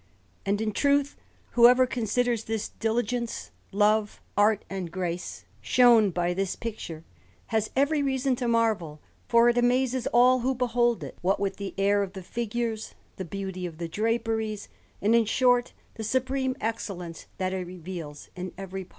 And in truth, whoever considers the diligence, love, art, and grace shown by this picture, has great reason to marvel, for it amazes all who behold it, what with the air of the figures, the beauty of the draperies, and, in short, the supreme excellence that it reveals in every part.